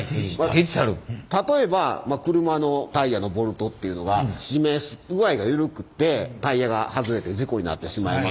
例えば車のタイヤのボルトっていうのが締め具合が緩くてタイヤが外れて事故になってしまいますし。